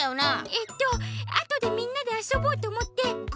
えっとあとでみんなであそぼうとおもってこのうえに。